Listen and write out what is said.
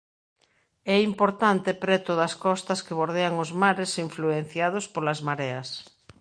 É importante preto das costas que bordean os mares influenciados polas mareas.